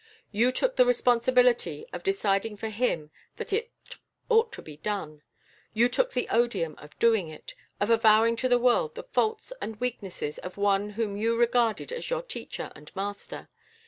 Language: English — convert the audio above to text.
You took the responsibility of deciding for him that it ought to be done. You took the odium of doing it, of avowing to the world the faults and weaknesses of one whom you regarded as your teacher and master.